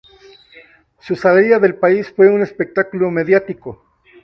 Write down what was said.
Su salida del país fue un espectáculo mediático.